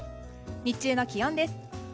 日中の気温です。